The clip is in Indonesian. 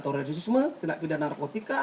turistisme tindak pidana narkotika